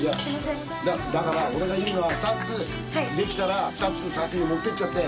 だから俺が言うのは２つできたら欧先に持っていっちゃって。